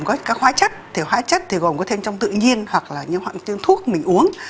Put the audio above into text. có các hóa chất thì hóa chất thì gồm có thêm trong tự nhiên hoặc là những thuốc mình uống